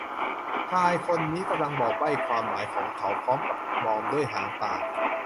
ชายคนนี้กำลังบอกใบ้ความหมายของเขาพร้อมกับมองด้วยหางตา